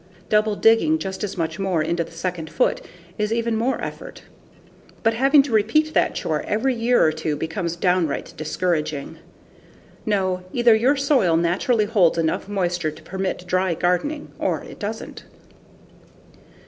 Double digging just as much more into the second foot is even more effort. But having to repeat that chore every year or two becomes downright discouraging. No, either your soil naturally holds enough moisture to permit dry gardening, or it doesn't.